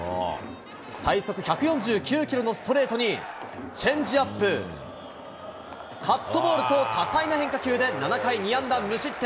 最速１４９キロのストレートにチェンジアップ、カットボールと、多彩な変化球で７回２安打無失点。